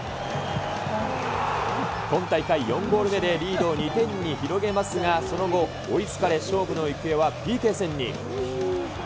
今大会４ゴール目でリードを２点に広げますが、その後、追いつかれ、勝負の行方はＰＫ戦に。